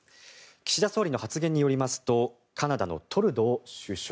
岸田総理の発言によりますとカナダのトルドー首相